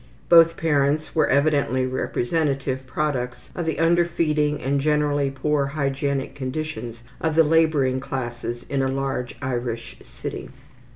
Both parents were evidently representative products of the underfeeding and generally poor hygienic conditions of the laboring classes in a large Irish city.